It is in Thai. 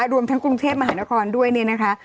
รวมทั้งกรุงเทพมหานครด้วยเนี่ยนะคะ